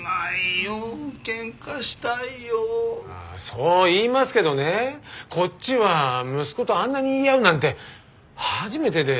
そう言いますけどねこっちは息子とあんなに言い合うなんて初めてで。